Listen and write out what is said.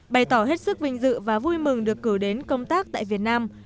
bày tỏ hết sức vinh dự và vui mừng được cử đến công tác tại việt nam